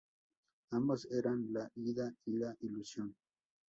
Ambos eran la idea y la ilusión.